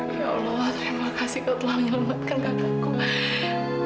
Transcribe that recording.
ya allah terima kasih kau telah menyelamatkan kakakku